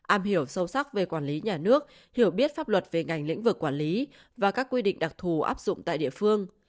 am hiểu sâu sắc về quản lý nhà nước hiểu biết pháp luật về ngành lĩnh vực quản lý và các quy định đặc thù áp dụng tại địa phương